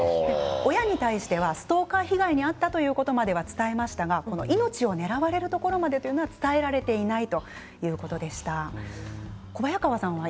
親にはストーカー被害に遭ったということは伝えましたが命を狙われたことまでは伝えられていないということです。